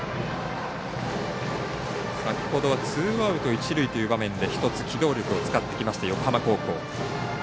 先ほどツーアウト、一塁という場面で一つ、機動力を使ってきました横浜高校。